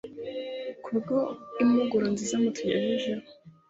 kubwo Impuguro nziza Mutugejejeho